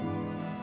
aku akan menyesal